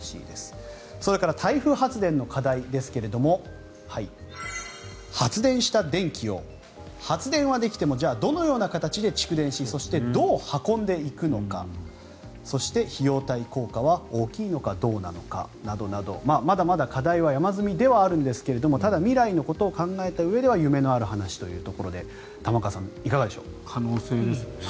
それから台風発電の課題ですが発電した電気を、発電はできてもじゃあ、どのような形で蓄電しどう運んでいくのかそして、費用対効果は大きいのかどうなのかなどなどまだまだ課題は山積みではあるんですがただ、未来のことを考えたうえでは夢のある話というところで玉川さん、いかがでしょう。